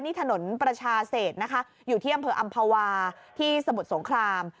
นี่ถนนประชาเศษนะคะอยู่ที่อำเภออำภาวาที่สมุทรสงคราม